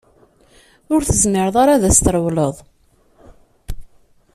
Ur tezmireḍ ara ad s-trewleḍ.